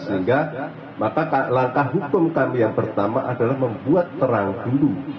sehingga maka langkah hukum kami yang pertama adalah membuat terang dulu